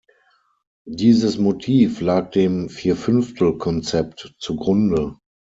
Dieses Motiv lag dem Vier-Fünftel-Konzept zugrunde.